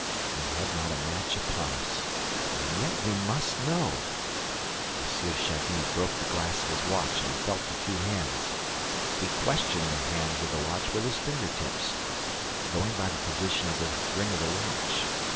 We had not a match upon us ... And yet we must know ... M. de Chagny broke the glass of his watch and felt the two hands... He questioned the hands of the watch with his finger tips, going by the position of the ring of the watch